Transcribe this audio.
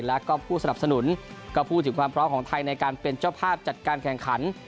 แล้วก็ผู้สนับสนุนก็พูดถึงความพร้อมของไทยในการเป็นเจ้าภาพจัดการแข่งขัน